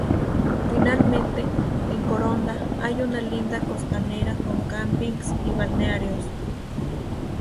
Finalmente, en Coronda, hay una linda costanera con campings y balnearios.